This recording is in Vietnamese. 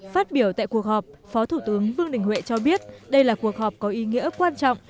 phát biểu tại cuộc họp phó thủ tướng vương đình huệ cho biết đây là cuộc họp có ý nghĩa quan trọng